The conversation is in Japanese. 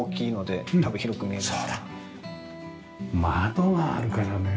窓があるからね。